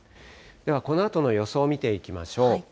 ではこのあとの予想を見ていきましょう。